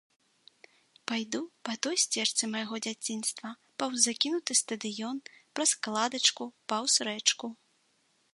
Пайду па той сцежцы майго дзяцінства, паўз закінуты стадыён, праз кладачку, паўз рэчку.